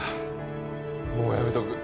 もうやめとく。